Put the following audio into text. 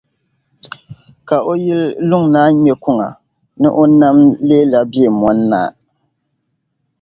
Ka o yili lun-naa ŋme kuŋa ni o mam leela Beemoni-naa.